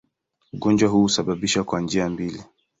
Ugonjwa huu husababishwa kwa njia mbili.